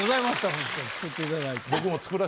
ホントに作っていただいて。